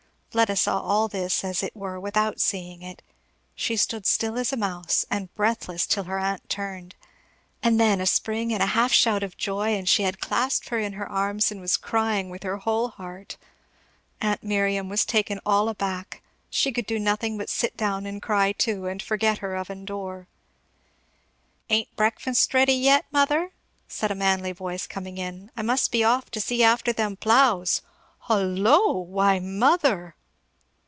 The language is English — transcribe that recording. Fleda saw all this as it were without seeing it; she stood still as a mouse and breathless till her aunt turned; and then, a spring and a half shout of joy, and she had clasped her in her arms and was crying with her whole heart. Aunt Miriam was taken all aback; she could do nothing but sit down and cry too and forget her oven door. "Ain't breakfast ready yet, mother?" said a manly voice coming in. "I must be off to see after them ploughs. Hollo! why mother!